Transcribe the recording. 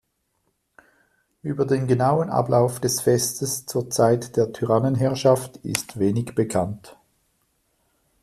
Über den genauen Ablauf des Festes zur Zeit der Tyrannenherrschaft ist wenig bekannt.